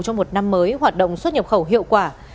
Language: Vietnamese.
cho một năm mới hoạt động xuất nhập khẩu hiệu quả